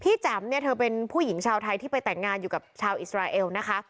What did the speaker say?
แจ๋มเนี่ยเธอเป็นผู้หญิงชาวไทยที่ไปแต่งงานอยู่กับชาวอิสราเอลนะคะ